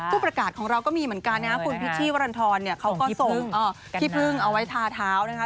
ผู้ประกาศของเราก็มีเหมือนกันนะฮะคุณพิษที่วรรณทรเขาก็ส่งพิพึงเอาไว้ทาเท้านะฮะ